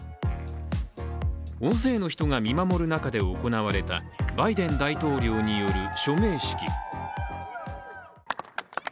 大勢の人が見守る中で行われたバイデン大統領による署名式。